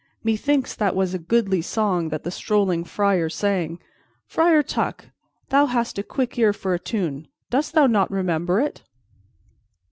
"Methinks that was a goodly song that the strolling friar sang. Friar Tuck, thou hast a quick ear for a tune, dost thou not remember it?"